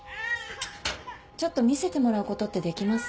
ちょっと見せてもらうことってできます？